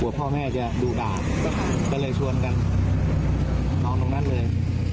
กลัวว่าพ่อแม่จะดูด่าก็เลยชวนกันน้องตรงนั้นเลย